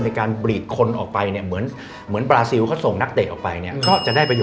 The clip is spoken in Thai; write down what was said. ในการบรีดคนออกไปเนี้ยเหมือนเหมือนปราเสียวเขาส่งนักเตะออกไปเนี้ย